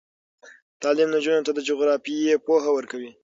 تعلیم نجونو ته د جغرافیې پوهه ورکوي.